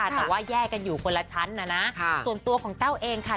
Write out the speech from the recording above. แต่ว่าแยกกันอยู่คนละชั้นนะนะส่วนตัวของแต้วเองค่ะ